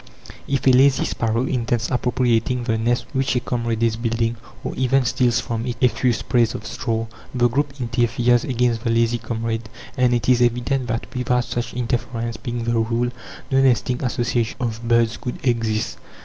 If a lazy sparrow intends appropriating the nest which a comrade is building, or even steals from it a few sprays of straw, the group interferes against the lazy comrade; and it is evident that without such interference being the rule, no nesting associations of birds could exist.